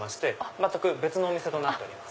全く別のお店となっております。